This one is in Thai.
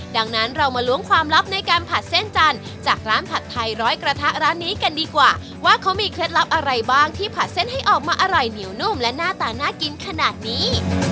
ดังนั้นเรามาล้วงความลับในการผัดเส้นจันทร์จากร้านผัดไทยร้อยกระทะร้านนี้กันดีกว่าว่าเขามีเคล็ดลับอะไรบ้างที่ผัดเส้นให้ออกมาอร่อยเหนียวนุ่มและหน้าตาน่ากินขนาดนี้